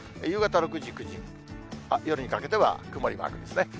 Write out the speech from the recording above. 夕方６時、９時、夜にかけては曇りマークですね。